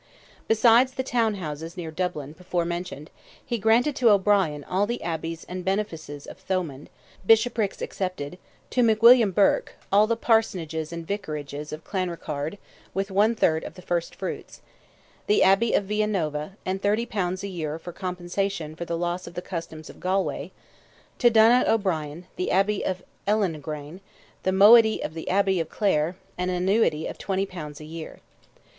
Besides the town houses near Dublin, before mentioned, he granted to O'Brien all the abbeys and benefices of Thomond, bishoprics excepted; to McWilliam Burke, all the parsonages and vicarages of Clanrickarde, with one third of the first fruits, the Abbey of Via Nova and 30 pounds a year compensation for the loss of the customs of Galway; to Donogh O'Brien, the Abbey of Ellenegrane, the moiety of the Abbey of Clare, and an annuity of 20 pounds a year.